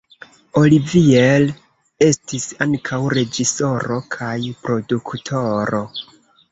Olivier estis ankaŭ reĝisoro kaj produktoro.